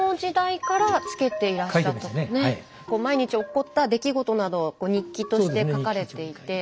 毎日起こった出来事などを日記として書かれていて。